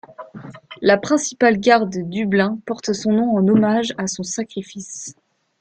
La principale gare de Dublin porte son nom en hommage à son sacrifice.